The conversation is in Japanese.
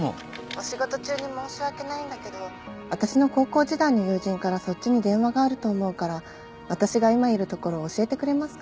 ☎お仕事中に申し訳ないんだけど私の高校時代の友人からそっちに電話があると思うから私が今いる所を教えてくれますか？